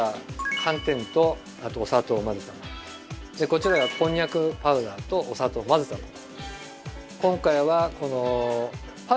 こちらがこんにゃくパウダーとお砂糖を混ぜたもの。